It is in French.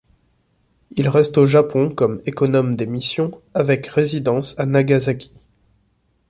Il reste au Japon, comme économe des missions, avec résidence à Nagasaki.